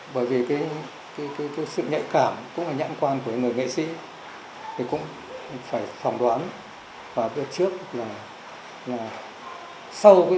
bởi vì sự nhạy cảm cũng là nhãn quan của người nghệ sĩ thì cũng phải phòng đoán và biết trước là sau đại hội sáu